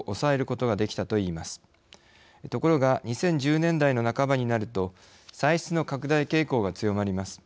ところが２０１０年代の半ばになると歳出の拡大傾向が強まります。